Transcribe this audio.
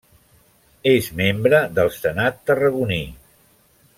És membre del Senat Tarragoní.